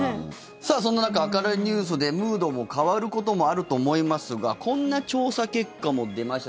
さあ、そんな中明るいニュースでムードも変わることもあると思いますがこんな調査結果も出ました。